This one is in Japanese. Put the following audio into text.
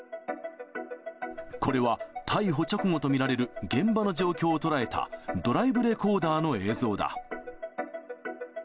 これは、逮捕直後と見られる現場の状況を捉えたドライブレコーダーの映像だ。